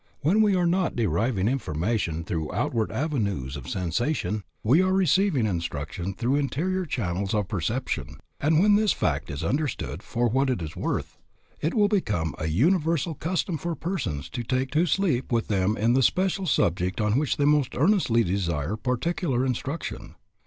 When we are not deriving information through outward avenues of sensation, we are receiving instruction through interior channels of perception, and when this fact is understood for what it is worth, it will become a universal custom for persons to take to sleep with them the special subject on which they most earnestly desire particular instruction.